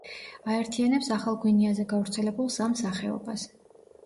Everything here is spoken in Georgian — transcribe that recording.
აერთიანებს ახალ გვინეაზე გავრცელებულ სამ სახეობას.